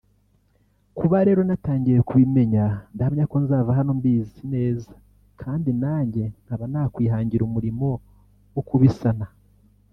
kuba rero natangiye kubimenya ndahamya ko nzava hano mbizi neza kandi nanjye nkaba nakwihangira umurimo wo kubisana